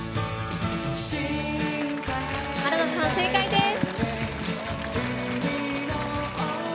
原田さん、正解です。